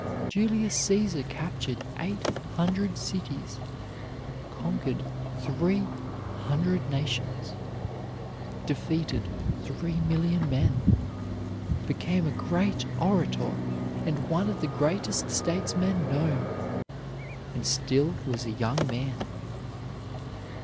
Julius Caesar captured eight hundred cities, conquered three hundred nations, defeated three million men, became a great orator and one of the greatest statesmen known, and still was a young man.